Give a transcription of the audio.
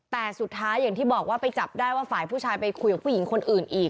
แต่สุดท้ายอย่างที่บอกว่าไปจับได้ว่าฝ่ายผู้ชายไปคุยกับผู้หญิงคนอื่นอีก